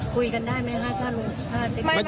คุยกันได้ไหมฮะถ้าลุงภาพ